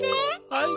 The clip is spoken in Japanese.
はい。